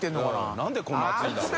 「なんでこんなに熱いんだろう？」